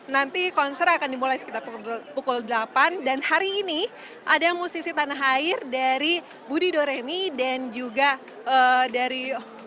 nanti konser akan dimulai sekitar pukul delapan dan hari ini ada musisi tanah air dari budi doremi dan juga dari